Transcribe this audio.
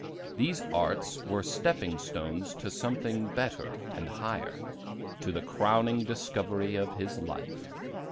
These "arts" were stepping stones to something better and higher to the crowning discovery of his life.